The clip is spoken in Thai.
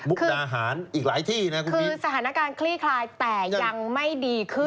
คือสถานการณ์คลี่คลายแต่ยังไม่ดีขึ้น